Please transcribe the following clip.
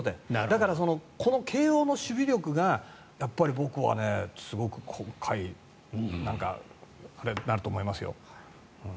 だから慶応の守備力が僕はすごく今回あれになると思いますよ。